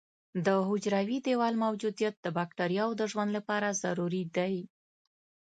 د حجروي دیوال موجودیت د بکټریاوو د ژوند لپاره ضروري دی.